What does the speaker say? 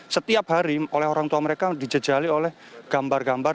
setiap hari orang tua mereka dijajali oleh gambar gambar